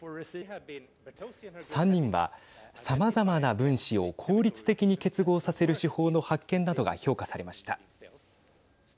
３人は、さまざまな分子を効率的に結合させる手法の発見などが評価されました。